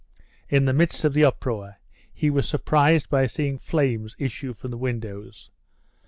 In the midst of the uproar, he was surprised by seeing flames issue from the windows.